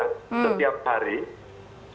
setiap hari selama satu minggu